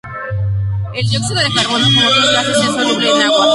El dióxido de carbono, como otros gases, es soluble en agua.